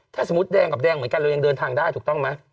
ถ้าสมมุติแดงกับแดงเหมือนกันเรายังเดินทางได้ถูกต้องไหม